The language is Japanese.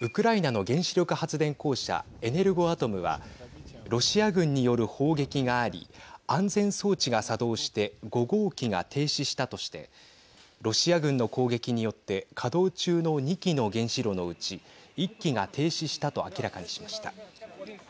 ウクライナの原子力発電公社エネルゴアトムはロシア軍による砲撃があり安全装置が作動して５号機が停止したとしてロシア軍の攻撃によって稼働中の２基の原子炉のうち１基が停止したと明らかにしました。